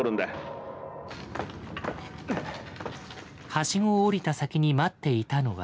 ハシゴを降りた先に待っていたのは。